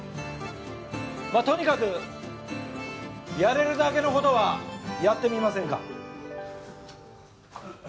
まぁとにかくやれるだけのことはやってみませんか？